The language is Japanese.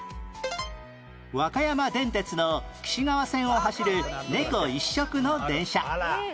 和歌山電鐵の貴志川線を走る猫一色の電車